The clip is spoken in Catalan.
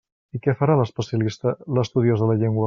I què farà l'especialista, l'estudiós de la llengua?